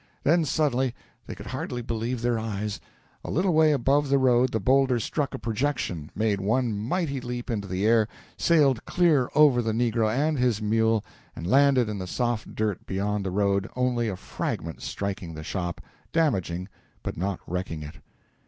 Then, suddenly, they could hardly believe their eyes; a little way above the road the boulder struck a projection, made one mighty leap into the air, sailed clear over the negro and his mule, and landed in the soft dirt beyond the road, only a fragment striking the shop, damaging, but not wrecking it.